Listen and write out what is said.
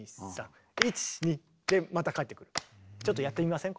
ちょっとやってみません？